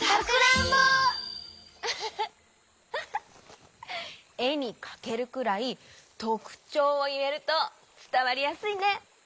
ウフフえにかけるくらいとくちょうをいえるとつたわりやすいね。